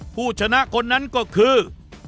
ผู้ชนะคนนั้นก็คือ